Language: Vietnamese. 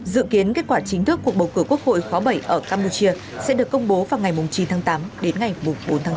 dự kiến kết quả chính thức cuộc bầu cử quốc hội khó bẩy ở campuchia sẽ được công bố vào ngày chín tháng tám đến ngày bốn tháng chín